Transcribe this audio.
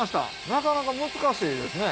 なかなか難しいですね。